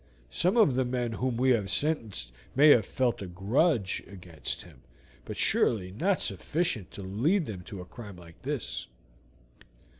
Some of the men whom we have sentenced may have felt a grudge against him, but surely not sufficient to lead them to a crime like this."